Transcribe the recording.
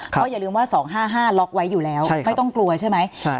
เพราะอย่าลืมว่า๒๕๕ล็อกไว้อยู่แล้วไม่ต้องกลัวใช่ไหม